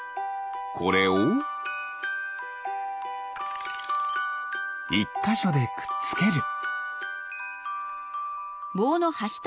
これを１かしょでくっつける。